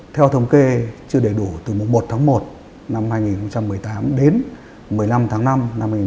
theo thống kê chưa đầy đủ từ mùng một tháng một năm hai nghìn một mươi tám đến một mươi năm tháng năm năm hai nghìn một mươi chín